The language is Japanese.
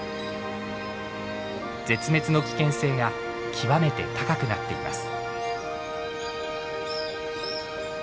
絶滅の危険性が極めて高くなっています。